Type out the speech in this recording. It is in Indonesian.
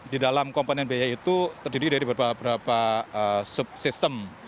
di dalam komponen biaya itu terdiri dari beberapa subsistem